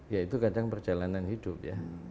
ya itu kadang perjalanan hidup ya